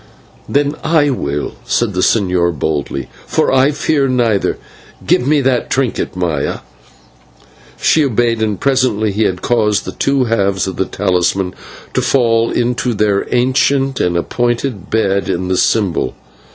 "Then I will," said the señor boldly, "for I fear neither. Give me that trinket, Maya." She obeyed, and presently he had caused the two halves of the talisman to fall into their ancient and appointed bed in the symbol.